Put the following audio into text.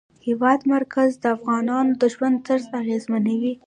د هېواد مرکز د افغانانو د ژوند طرز اغېزمنوي.